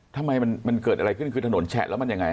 ทำไมมันเกิดอะไรขึ้นคือถนนแฉะแล้วมันยังไง